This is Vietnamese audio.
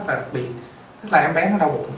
đặc biệt tức là em bé nó đau bụng